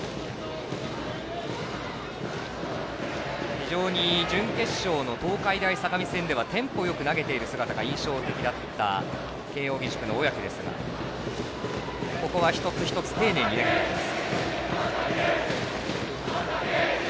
非常に準決勝の東海大相模戦ではテンポよく投げている姿が印象的だった慶応義塾の小宅ですがここは一つ一つ丁寧に投げています。